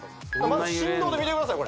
まず振動で見てください